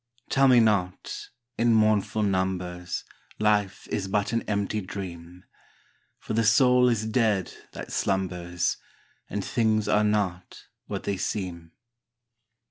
Tell me not, in mournful numbers, Life is but an empty dream ! For the soul is dead that slumbers. And things are not what they seem.